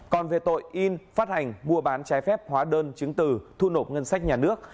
còn về tội in phát hành mua bán trái phép hóa đơn chứng từ thu nộp ngân sách nhà nước